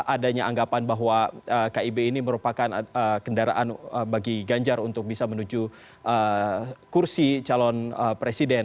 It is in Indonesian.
adanya anggapan bahwa kib ini merupakan kendaraan bagi ganjar untuk bisa menuju kursi calon presiden